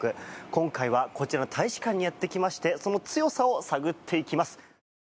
今回はこちらの大使館にやってきましてその強さを探っていきます。